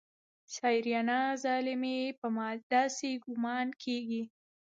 سېرېنا ظالمې په ما داسې ګومان کېږي.